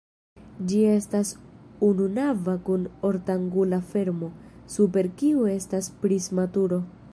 Ĝi estas ununava kun ortangula fermo, super kiu estas prisma turo.